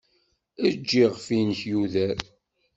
Ejj iɣef-nnek yuder.